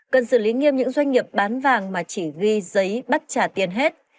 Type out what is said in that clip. cần xử lý nghiêm những doanh nghiệp bán vàng mà chỉ ghi giấy bắt trả tiền hết